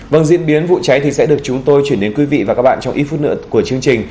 vâng diễn biến vụ cháy thì sẽ được chúng tôi chuyển đến quý vị và các bạn trong ít phút nữa của chương trình